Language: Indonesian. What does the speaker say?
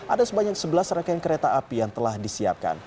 ada sebanyak sebelas rangkaian kereta api yang telah disiapkan